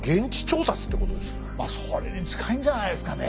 まあそれに近いんじゃないですかね。